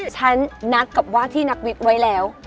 ฉันนัดกับว่าที่นักวิกไว้แล้ว